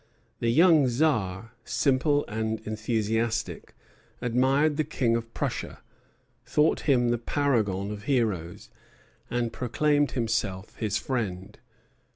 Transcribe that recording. The young Czar, simple and enthusiastic, admired the King of Prussia, thought him the paragon of heroes, and proclaimed himself his friend.